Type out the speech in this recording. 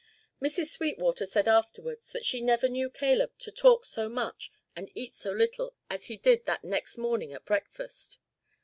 Mrs. Sweetwater said afterwards that she never knew Caleb to talk so much and eat so little as he did that next morning at breakfast.